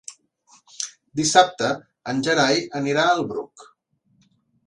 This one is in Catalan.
Dissabte en Gerai anirà al Bruc.